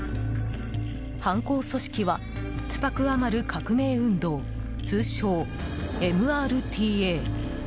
犯行組織はトゥパク・アマル革命運動通称ＭＲＴＡ。